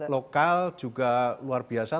lokal juga luar biasa